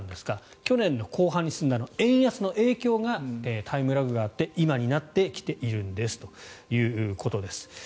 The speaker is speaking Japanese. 去年の後半に進んだ円安の影響が今になって来ているんですということです。